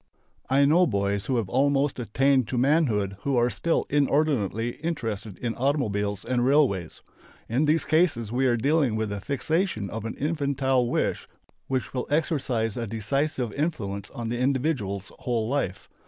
I know boys who have almost attained to manhood who are still inordinately interested in automobiles and railways. In these cases we are dealing with a fixation of an infantile wish which will exercise a decisive influence on the individual's whole life.